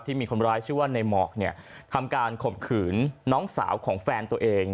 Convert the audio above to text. มีคนร้ายชื่อว่าในหมอกเนี่ยทำการข่มขืนน้องสาวของแฟนตัวเอง